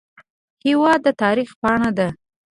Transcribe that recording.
هېواد د تاریخ پاڼه ده.